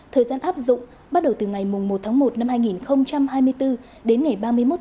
thời gian áp dụng bắt đầu từ ngày một một hai nghìn hai mươi bốn đến ngày ba mươi một một mươi hai hai nghìn hai mươi bốn